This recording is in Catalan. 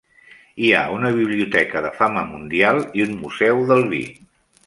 Hi ha una biblioteca de fama mundial i un museu del vi.